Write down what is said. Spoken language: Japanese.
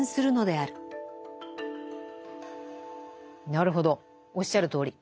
なるほどおっしゃるとおり。